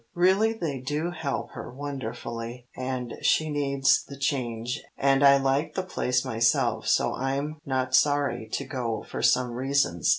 Really they do help her wonderfully, and she needs the change, and I like the place myself so I'm not sorry to go for some reasons.